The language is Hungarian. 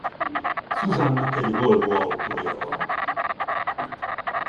Susannak egy Volvo autója van.